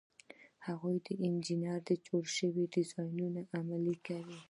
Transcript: هغوی د انجینر جوړ شوی ډیزاین عملي کوي.